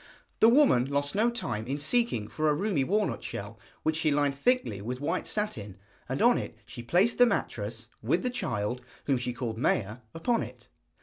The woman lost no time in seeking for a roomy walnut shell, which she lined thickly with white satin, and on it she placed the mattress, with the child, whom she called Maia, upon it.